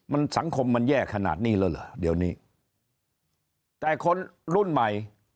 มันสังคมมันแย่ขนาดนี้แล้วเหรอเดี๋ยวนี้แต่คนรุ่นใหม่